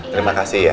terima kasih ya